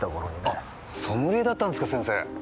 あソムリエだったんすか先生。